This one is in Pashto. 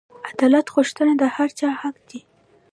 عدالت غوښتنه د هر چا حق دی.